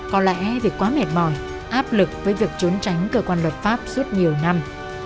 có lẽ vì quá mệt mỏi áp lực với việc trốn tránh cơ quan luật pháp suốt nhiều năm